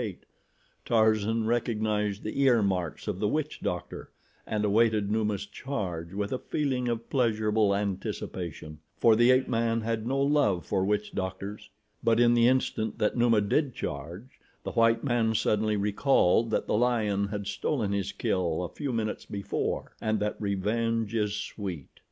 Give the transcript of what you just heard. Tarzan recognized the ear marks of the witch doctor and awaited Numa's charge with a feeling of pleasurable anticipation, for the ape man had no love for witch doctors; but in the instant that Numa did charge, the white man suddenly recalled that the lion had stolen his kill a few minutes before and that revenge is sweet.